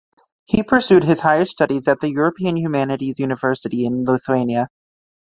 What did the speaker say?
He pursued his higher studies at the European Humanities University in Lithuania.